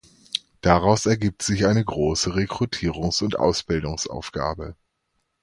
Daraus ergibt sich eine große Rekrutierungs- und Ausbildungsaufgabe.